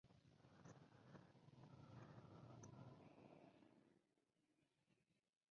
Presents", este trabajo marcó su segunda y última incursión en los guiones televisivos.